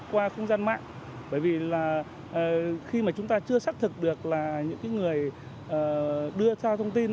qua không gian mạng bởi vì là khi mà chúng ta chưa xác thực được là những người đưa cho thông tin